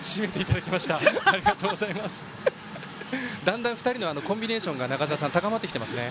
だんだん２人のコンビネーション中澤さん、高まっていますね。